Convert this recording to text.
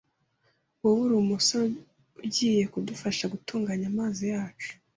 Wowe uri umusore ugiye kudufasha gutunganya amazi yacu?